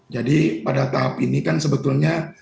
jadi pada tahap ini kan sebetulnya